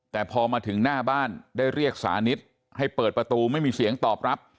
แต่พอมาถึงหน้าบ้านได้เรียกสานิทให้เปิดประตูไม่มีเสียงตอบรับ